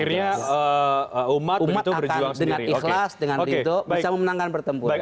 karena umat akan dengan ikhlas dengan rindu bisa memenangkan pertempuran